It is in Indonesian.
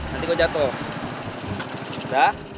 nanti gue jatuh udah